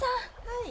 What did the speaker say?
はい。